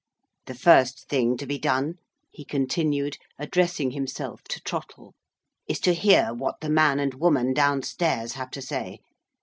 The first thing to be done," he continued, addressing himself to Trottle, "is to hear what the man and woman, down stairs, have to say.